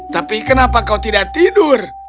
tapi kenapa kau tidak tidur